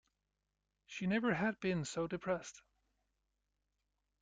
She never had been so depressed.